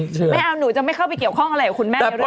ไม่เอาหนูจะไม่เข้าไปเกี่ยวข้องอะไรกับคุณแม่ด้วย